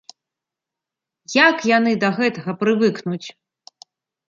Як яны да гэтага прывыкнуць?